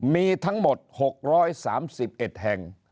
มีทั้งหมด๖๓๑แห่ง